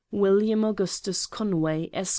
WILLIAM AUGUSTUS CONWAY, Esq.